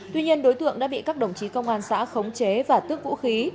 tuy nhiên đối tượng đã bị các đồng chí công an xã khống chế và tước vũ khí